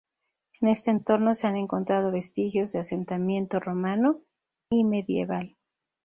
En este entorno se han encontrado vestigios de asentamiento romano y medieval.